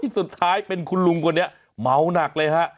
สุดท้ายเป็นคุณลุงคนนี้เมาหนักเลยฮะ